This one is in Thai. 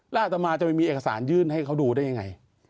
แล้วอัตมาจะไปมีเอกสารยื่นให้เขาดูได้ยังไง